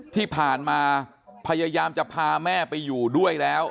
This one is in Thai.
ที่ผ่านมาพยายามจะพาแม่ไปอยู่ด้วยแล้ว